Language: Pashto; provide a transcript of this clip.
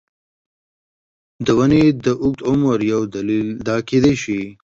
د ونې د اوږد عمر یو دلیل دا کېدای شي.